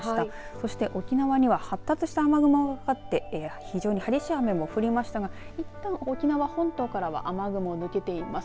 そして、沖縄には発達した雨雲がかかって非常に激しい雨も降りましたがいったん沖縄本島からは雨雲、抜けています。